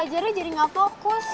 belajarnya jadi gak fokus